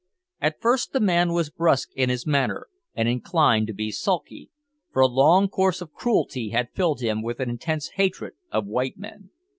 At first the man was brusque in his manner, and inclined to be sulky, for a long course of cruelty had filled him with an intense hatred of white men.